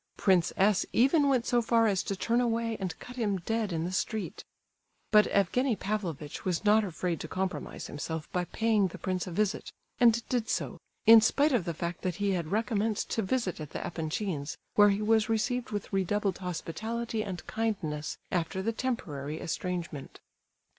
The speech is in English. Prince S. even went so far as to turn away and cut him dead in the street. But Evgenie Pavlovitch was not afraid to compromise himself by paying the prince a visit, and did so, in spite of the fact that he had recommenced to visit at the Epanchins', where he was received with redoubled hospitality and kindness after the temporary estrangement.